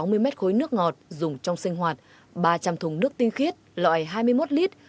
sáu mươi mét khối nước ngọt dùng trong sinh hoạt ba trăm linh thùng nước tinh khiết loại hai mươi một lít